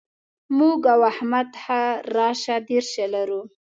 موږ او احمد ښه راشه درشه لرو.